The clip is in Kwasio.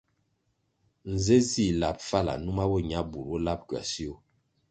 Nze zih lab fala numa bo ña bur bo lab kwasio ?